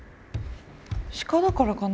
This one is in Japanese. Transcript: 鹿だからかな？